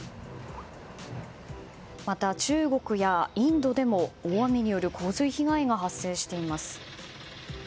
また、中国やインドでも大雨による洪水被害が発生しています。